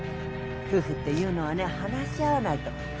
夫婦っていうのはね話し合わないと。